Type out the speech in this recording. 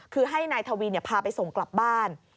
คือให้นายทวีพาไปส่งกลับบ้าน